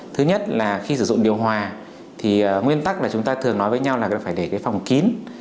thứ nhất là khi sử dụng điều hòa thì nguyên tắc là chúng ta thường nói với nhau là phải để cái phòng kín